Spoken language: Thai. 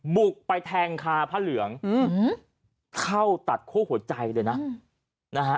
บุกไปแทงคาพระเหลืองอืมเข้าตัดโค้กหัวใจเลยน่ะอืมนะฮะ